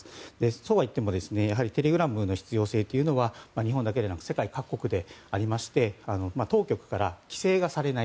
そうはいってもテレグラムの必要性というのは日本だけではなく世界各国でありまして当局から規制がされない。